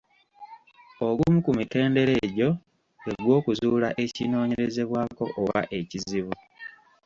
Ogumu ku mitendera egyo gw’egwokuzuula ekinoonyerezebwako oba ekizibu.